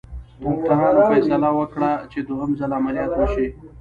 ډاکټرانو فیصله وکړه چې دوهم ځل عملیات وشي.